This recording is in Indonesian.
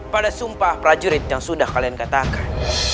pada sumpah prajurit yang sudah kalian katakan